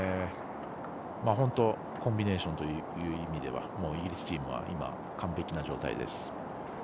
コンビネーションという意味ではイギリスチームは完璧な状態です。